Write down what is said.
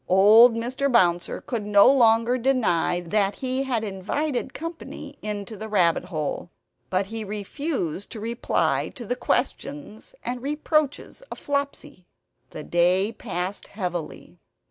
Old Mr. Bouncer could no longer deny that he had invited company into the rabbit hole; but he refused to reply to the questions and reproaches of Flopsy. The day passed heavily.